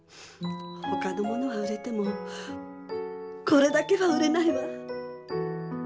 ほかのものは売れてもこれだけは売れないわ。